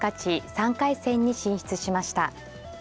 ３回戦に進出しました。